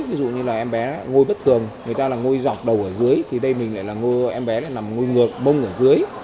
ví dụ như là em bé ngôi bất thường người ta là ngôi dọc đầu ở dưới thì đây mình lại là ngôi em bé nằm ngôi ngược mông ở dưới